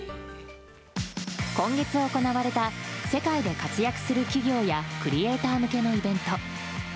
今月、行われた世界で活躍する企業やクリエーター向けのイベント。